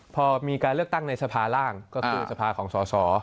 พอมีการเลือกตั้งในสภาร่างก็คือสภาของสอสอ